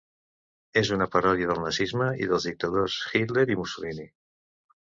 És una paròdia del nazisme i dels dictadors Hitler i Mussolini.